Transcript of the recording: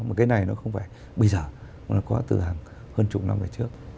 một cái này nó không phải bây giờ nó có từ hàng hơn chục năm về trước